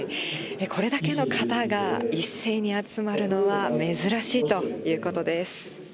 これだけの方が一斉に集まるのは珍しいということです。